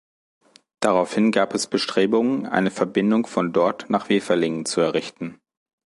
Daraufhin gab es Bestrebungen, eine Verbindung von dort nach Weferlingen zu errichten.